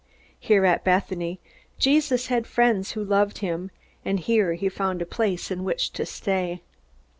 Here at Bethany, Jesus had friends who loved him, and here he found a place in which to stay.